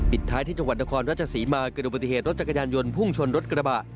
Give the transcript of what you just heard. ท้ายที่จังหวัดนครราชศรีมาเกิดอุบัติเหตุรถจักรยานยนต์พุ่งชนรถกระบะ